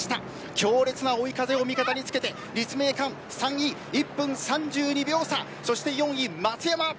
強烈な追い風を味方につけて立命館３位１分３２秒差４位、松山。